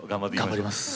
頑張ります。